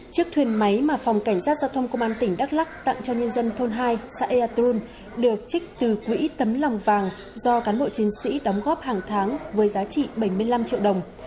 chiếc thuyền máy mà phòng cảnh sát giao thông công an tỉnh đắk lắc tặng cho nhân dân thôn hai xã ea tôn được trích từ quỹ tấm lòng vàng do cán bộ chiến sĩ đóng góp hàng tháng với giá trị bảy mươi năm triệu đồng